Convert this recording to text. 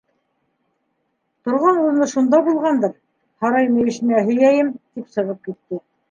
Торған урыны шунда булғандыр, һарай мөйөшөнә һөйәйем, тип сығып китте.